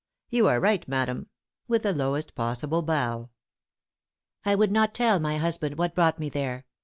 'You are right, madam!' with the lowest possible bow. "I would not tell my husband what brought me there.